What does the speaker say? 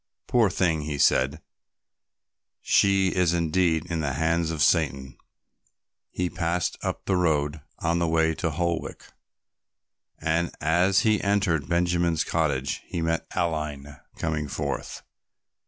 "Poor thing," he said, "she is indeed in the hands of Satan." He passed up the road on the way to Holwick and, as he entered Benjamin's cottage, he met Aline coming forth.